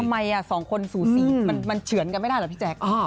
ทำไม๒คนสูสีมันเฉือนกันไม่ได้เหรอพี่แจ๊ค